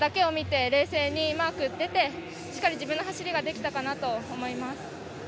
青山だけを見て、冷静にマーク出て、自分の走りができたかなと思います。